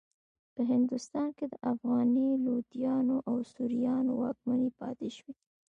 په هندوستان کې د افغاني لودیانو او سوریانو واکمنۍ پاتې شوې.